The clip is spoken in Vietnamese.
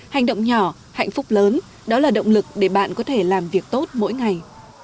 hành động nhỏ hạnh phúc lớn đó là động lực để bạn có thể làm việc tốt mỗi ngày